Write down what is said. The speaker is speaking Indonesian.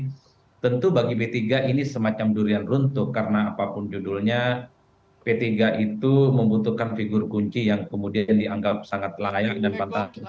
jadi tentu bagi p tiga ini semacam durian runtuh karena apapun judulnya p tiga itu membutuhkan figur kunci yang kemudian dianggap sangat layak dan pantas